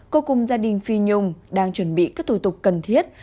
cô cùng gia đình phi nhung đang chuẩn bị các thủ tục cần thiết